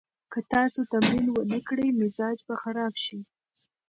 که تاسو تمرین ونه کړئ، مزاج به خراب شي.